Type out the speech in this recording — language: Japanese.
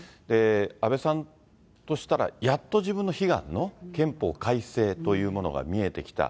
安倍さんとしたら、やっと自分の悲願の憲法改正というものが見えてきた。